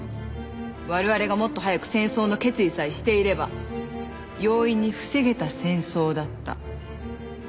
我々がもっと早く戦争の決意さえしていれば容易に防げた戦争だった。